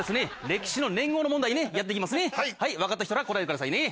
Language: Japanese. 歴史の年号の問題ねやって行きますね分かった人は答えてくださいね。